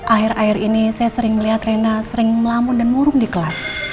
akhir akhir ini saya sering melihat rena sering melamun dan murung di kelas